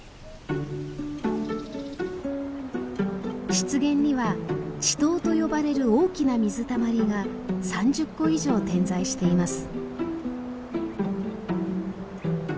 湿原には「池塘」と呼ばれる大きな水たまりが３０個以上点在しています。